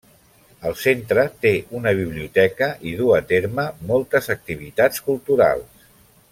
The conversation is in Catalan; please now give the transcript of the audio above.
El centre té una biblioteca i duu a terme moltes activitats culturals.